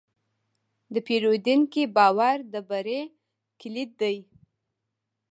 د پیرودونکي باور د بری کلید دی.